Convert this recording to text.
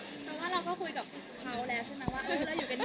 เพราะว่าเราก็คุยกับเขาแล้วใช่ไหม